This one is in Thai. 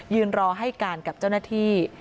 รอให้การกับเจ้าหน้าที่